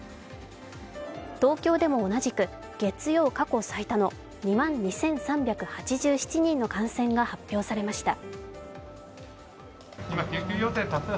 東京でも同じく、月曜過去最多の２万２３８７人の感染が発表されました